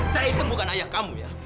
saya itu bukan ayah kamu ya